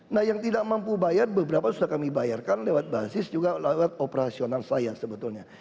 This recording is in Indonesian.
nah yang tidak mampu bayar beberapa sudah kami bayarkan lewat basis juga lewat operasional saya sebetulnya